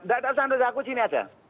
tidak tidak aku sini saja